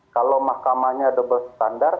kalau mahkamahnya double standard